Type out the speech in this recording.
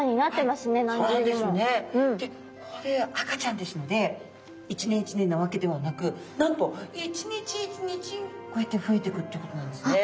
でこれ赤ちゃんですので一年一年なわけではなくなんと一日一日こうやって増えてくっていうことなんですね。